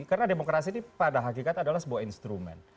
karena demokrasi ini pada hakikat adalah sebuah instrumen